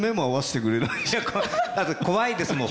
だって怖いですもん。